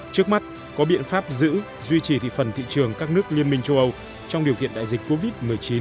trước mắt có biện pháp giữ duy trì thị phần thị trường các nước liên minh châu âu trong điều kiện đại dịch covid một mươi chín